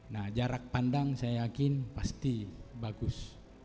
nah jarak pandang saya yakin pasti bagus